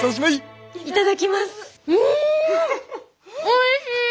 おいしい！